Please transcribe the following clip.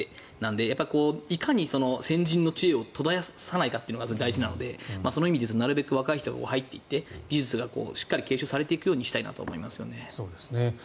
いかに先人の知恵を途絶やさないのが大事なのでその意味でなるべく若い人が入っていって技術が継承されていければと思いますね。